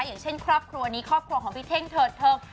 อย่างเช่นครอบครัวนี้ครอบครัวของพี่เท่งเถิดเทิง